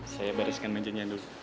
saya bariskan mejenjian dulu